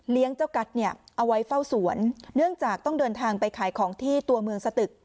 เจ้ากัสเนี่ยเอาไว้เฝ้าสวนเนื่องจากต้องเดินทางไปขายของที่ตัวเมืองสตึก